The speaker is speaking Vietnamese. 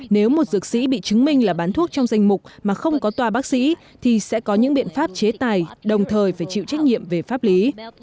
nếu một dược sĩ bị chứng minh là bán thuốc trong danh mục mà không có tòa bác sĩ thì sẽ có những biện pháp chế tài đồng thời phải chịu trách nhiệm về pháp lý